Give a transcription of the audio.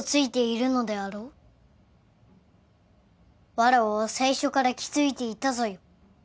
わらわは最初から気づいていたぞよ。